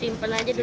simpen aja dulu